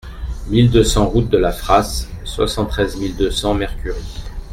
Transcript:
mille deux cents route de la Frasse, soixante-treize mille deux cents Mercury